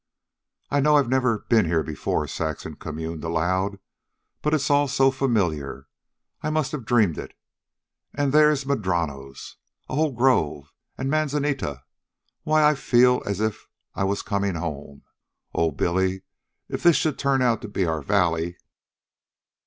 "I know I've never been here before," Saxon communed aloud. "But it's all so familiar! So I must have dreamed it. And there's madronos! a whole grove! And manzanita! Why, I feel just as if I was coming home... Oh, Billy, if it should turn out to be our valley."